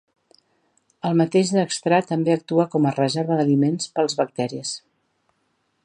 El mateix dextrà també actua com a reserva d'aliments pels bacteris.